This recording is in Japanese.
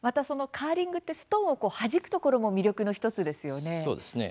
カーリングはストーンをはじくところも魅力の１つですよね。